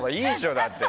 だって。